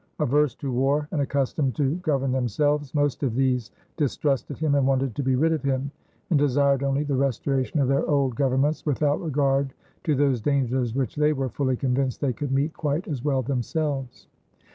Averse to war and accustomed to govern themselves, most of these distrusted him and wanted to be rid of him, and desired only the restoration of their old governments without regard to those dangers which they were fully convinced they could meet quite as well themselves.